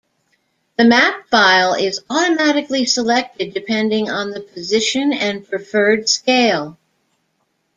The map file is automatically selected depending on the position and preferred scale.